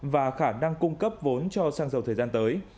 và khả năng cung cấp vốn cho sang giàu thời gian tới